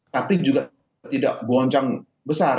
tapi juga tidak boncang besar